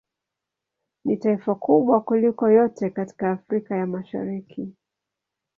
Ni taifa kubwa kuliko yote katika Afrika ya mashariki